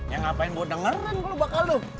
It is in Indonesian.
ya ngapain gue dengerin gue bakal lo